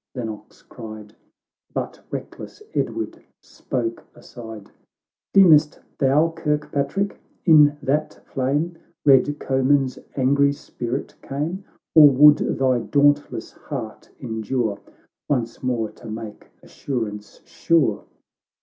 " Lennox cried, But reckless Edward spoke aside, " Deem'st thou, Kirkpatrick, in that flame Bed Comyn's angry spirit came, Or would thy dauntless heart endure Once more to make assurance sure?"